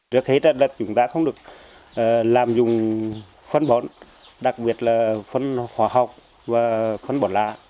trước hết là chúng ta không được làm dùng phân bổn đặc biệt là phân hóa học và phân bổn lạ